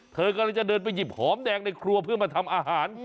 เธอกำลังจะเดินไปหยิบหอมแดงในครัวเพื่อมาทำอาหาร